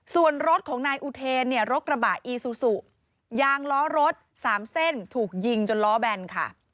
ส่วนรถของนายอุเทนเนี่ยรถกระบะอีซูซูยางล้อรถ๓เส้นถูกยิงจนล้อแบนค่ะ